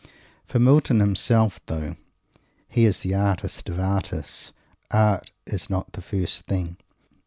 For Milton himself, though he is the artist of artists, art is not the first thing.